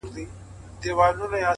اې ه سترگو کي کينه را وړم.